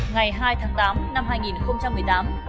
ngày hai tháng tám năm hai nghìn một mươi tám